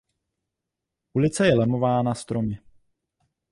Ulice je lemována stromy.